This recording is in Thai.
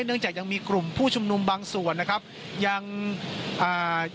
เนื่องจากยังมีกลุ่มผู้ชุมนุมบางส่วนนะครับยังอ่า